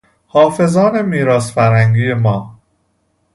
حافظان میراث فرهنگی ما